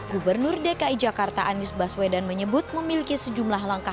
gubernur dki jakarta anies baswedan menyebut memiliki sejumlah langkah